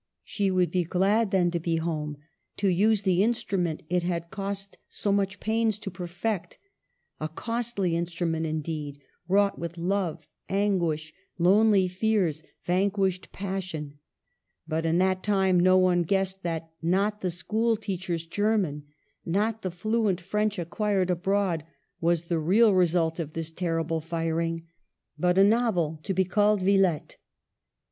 She would be glad, then, to be home, to use the instrument it had cost so much pains to perfect. A costly instrument, indeed, wrought with love, anguish, lonely fears, vanquished passion ; but in that time no one guessed that, not the school teach er's German, not the fluent French acquired abroad, was the real result of this terrible firing, but a novel to be called " Villette."